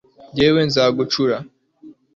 jyewe nzagucyura